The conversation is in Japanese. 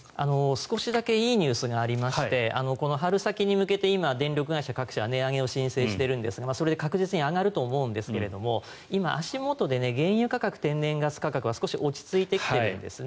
少しだけいいニュースがありましてこの春先に向けて今、電力会社各社値上げを申請しているんですがそれで確実に上がると思うんですが今、足元で原油価格、天然ガス価格は少し落ち着いてきているんですね。